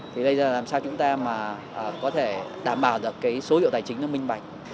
thì đây là làm sao chúng ta có thể đảm bảo được số hiệu tài chính nó minh bạch